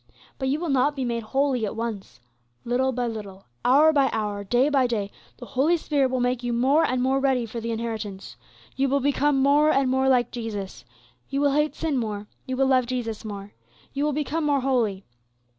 But you will not be made holy at once. Little by little, hour by hour, day by day, the Holy Spirit will make you more and more ready for the inheritance. You will become more and more like Jesus. You will hate sin more; you will love Jesus more; you will become more holy.